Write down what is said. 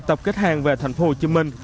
tập kết hàng về thành phố hồ chí minh